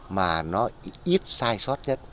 mà nó ít sai sót nhất